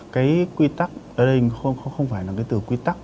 cái quy tắc ở đây không phải là cái từ quy tắc